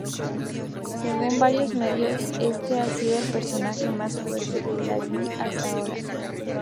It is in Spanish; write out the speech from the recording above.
Según varios medios, este ha sido el personaje más fuerte de Lively hasta ahora.